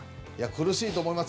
苦しいと思います。